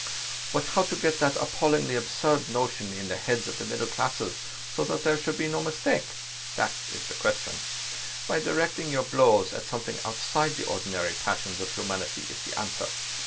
But how to get that appallingly absurd notion into the heads of the middle classes so that there should be no mistake? That's the question. By directing your blows at something outside the ordinary passions of humanity is the answer.